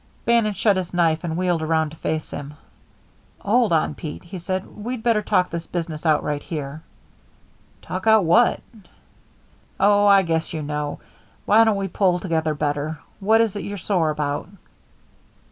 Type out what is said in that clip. Bannon shut his knife and wheeled around to face him. "Hold on, Pete," he said. "We'd better talk this business out right here." "Talk out what?" "Oh, I guess you know. Why don't we pull together better? What is it you're sore about?"